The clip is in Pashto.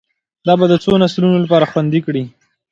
دا به د څو نسلونو لپاره خوندي کړي